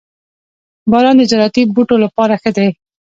• باران د زراعتي بوټو لپاره ښه دی.